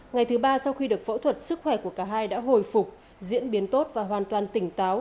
ngày thứ ba sau khi được phẫu thuật sức khỏe của cả hai đã hồi phục diễn biến tốt và hoàn toàn tỉnh táo